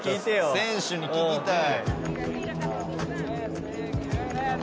選手に聞きたい。